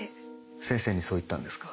先生にそう言ったんですか？